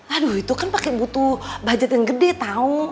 aduh itu kan pakai butuh budget yang gede tau